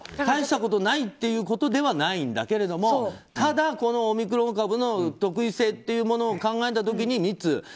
大したことないってわけではないんだけれどもただ、このオミクロン株の特異性というのを考えた時にミッツ